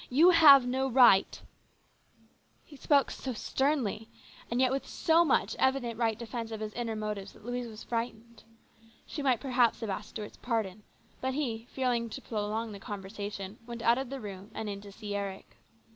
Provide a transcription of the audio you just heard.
You have no right !" He spoke so sternly, and yet with so much evident right defence of his inner motives, that Louise was frightened. She might perhaps have asked Stuart's pardon ; but he, fearing to prolong the conversation, went out of the room and in to see Eric.